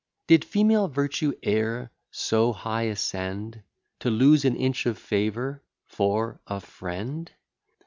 Did female virtue e'er so high ascend, To lose an inch of favour for a friend?